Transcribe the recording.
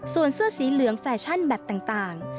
ส่วนเสื้อสีเหลืองแฟชั่นแบบต่าง